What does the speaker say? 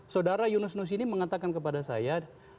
saudara yunus nusini mengatakan kepada saya